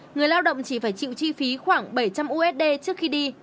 người lao động chỉ phải chịu chi phí khoảng bảy trăm linh usd trước khi đi